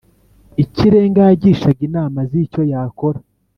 Ikirenga Yagishaga inama z icyo yakora